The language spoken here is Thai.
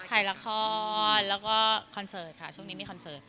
ถ่ายละครแล้วก็คอนเสิร์ตค่ะช่วงนี้มีคอนเสิร์ต